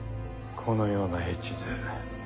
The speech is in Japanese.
このような絵地図